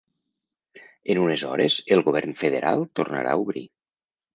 En unes hores, el govern federal tornarà a obrir.